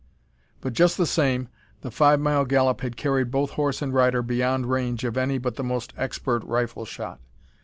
But just the same, the five mile gallop had carried both horse and rider beyond range of any but the most expert rifle shot.